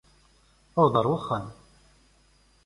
Aweḍ ar axxam.